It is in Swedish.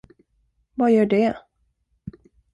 Vad gör det?